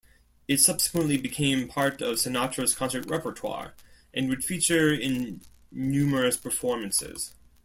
It subsequently became part of Sinatra's concert repertoire, and would feature in numerous performances.